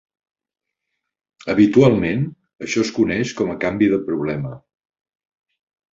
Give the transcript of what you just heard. Habitualment, això es coneix com a canvi de problema.